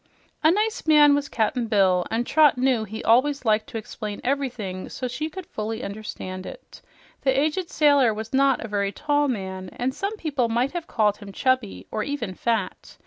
A nice man was Cap'n Bill, and Trot knew he always liked to explain everything so she could fully understand it. The aged sailor was not a very tall man, and some people might have called him chubby, or even fat.